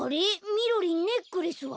みろりんネックレスは？